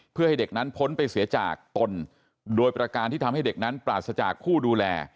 เพื่อให้เด็กนั้นพ้นไปเสียจากตนโดยประการที่ทำให้เด็กนั้นปราศจากผู้ดูแล